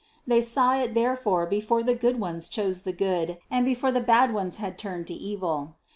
They saw it therefore before the good ones chose the good and before the bad ones had turned to evil.